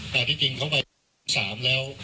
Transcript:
แต่ที่จริงเขาไป๓แล้ว